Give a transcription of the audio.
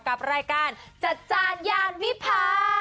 กับรายการจัดจานยานวิพา